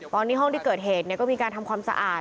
ตอนนี้ห้องที่เกิดเหตุก็มีการทำความสะอาด